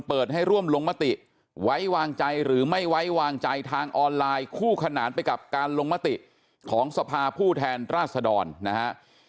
เปิดให้ร่วมลงมติไว้วางใจหรือไม่ไว้วางใจทางออนไลน์คู่ขนานไปกับการลงมติของสภาผู้แทนราชดรนะฮะ